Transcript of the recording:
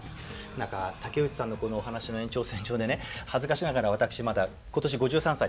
何か竹内さんのこのお話の延長線上でね恥ずかしながら私まだ今年５３歳で独身なんですよ。